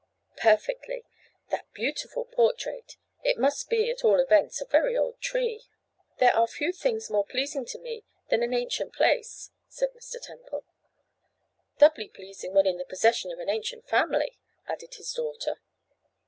'Perfectly: that beautiful portrait! It must be, at all events, a very old tree.' 'There are few things more pleasing to me than an ancient place,' said Mr. Temple. 'Doubly pleasing when in the possession of an ancient family,' added his daughter.